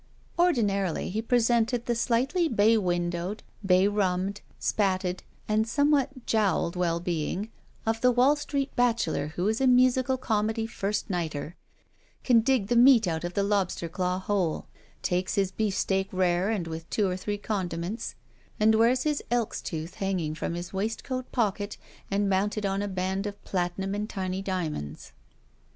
Ordinarily he presented the slightly bay win dowed, bay rummed, spatted, and somewhat jowled well being of the Wall Street bachelor who is a musical comedy first nighter, can dig the meat out of the lobster daw whole, takes his beefsteak rare and with two or three condiments, and wears his elk's tooth dangling from his waistcoat pocket and mounted on a band of platinum and tiny diamonds.